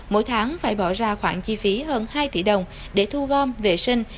mỗi tháng phải bỏ ra khoảng chi phí hơn hai tỷ đồng để thu gom vệ sinh